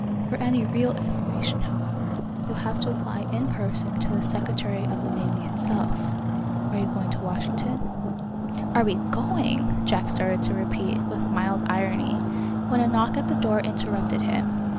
For any real information, however, you'll have to apply in person to the Secretary of the Navy himself. Are you going to Washington?" "Are we going " Jack started to repeat, with mild irony, when a knock at the door interrupted him.